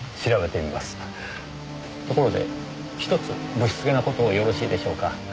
ところでひとつ不躾な事をよろしいでしょうか？